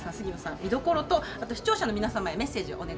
見どころとあと視聴者の皆様へメッセージをお願いします。